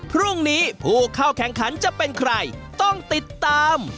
พรุ่งนี้ผู้เข้าแข่งขันจะเป็นใครต้องติดตาม